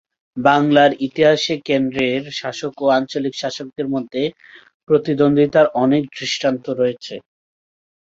বাংলার ইতিহাসে কেন্দ্রের শাসক ও আঞ্চলিক শাসকদের মধ্যে প্রতিদ্বন্দ্বিতার অনেক দৃষ্টান্ত রয়েছে।